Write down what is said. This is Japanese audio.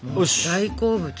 大好物。